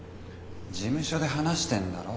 事務所で話してんだろ？